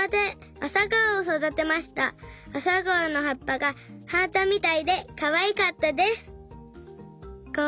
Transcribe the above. あさがおのはっぱがハートみたいでかわいかったです。